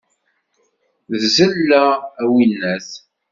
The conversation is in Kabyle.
D zzella, a winnat!